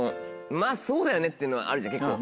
まぁそうだよねってのあるじゃん結構。